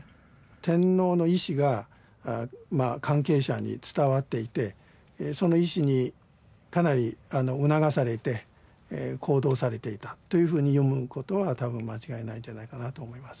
天皇の意思が関係者に伝わっていてその意思にかなり促されて行動されていたというふうに読むことは多分間違いないんじゃないかなと思います。